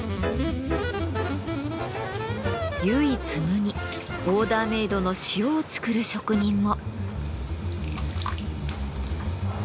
唯一無二オーダーメイドの塩を作る職人も。